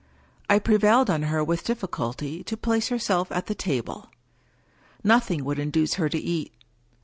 I pre vailed on her with difficulty to place herself at the table* Nothing would induce her to eat.